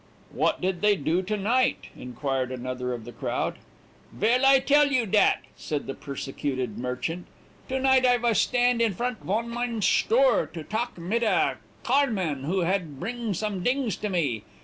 "'What did they do to night?' inquired another of the crowd. "'Vell I tell you dat,' said the persecuted merchant. To night I vas shtand in front von mine shtore, to talk mit a carman, who have bring some dings to me.